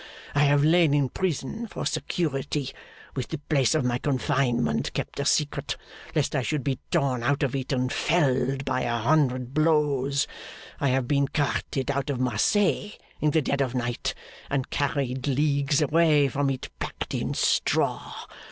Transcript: I have lain in prison for security, with the place of my confinement kept a secret, lest I should be torn out of it and felled by a hundred blows. I have been carted out of Marseilles in the dead of night, and carried leagues away from it packed in straw.